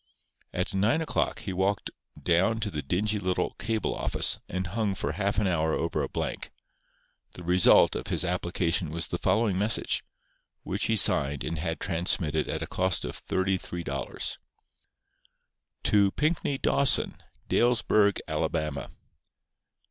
At nine o'clock he walked down to the dingy little cable office and hung for half an hour over a blank. The result of his application was the following message, which he signed and had transmitted at a cost of $33: TO PINKNEY DAWSON, Dalesburg, Ala.